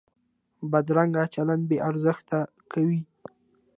بدرنګه چلند بې ارزښته کوي